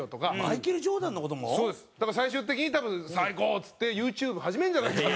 そうですだから最終的に多分「３１５０！」っつってＹｏｕＴｕｂｅ始めんじゃないかと。